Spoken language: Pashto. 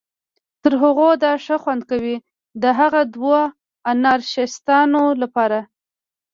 تر هغو دا ښه خوند کوي، د هغه دوو انارشیستانو لپاره.